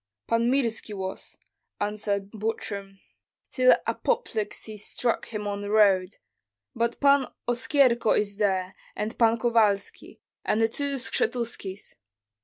"Pan Mirski was," answered Butrym, "till apoplexy struck him on the road; but Pan Oskyerko is there, and Pan Kovalski, and the two Skshetuskis."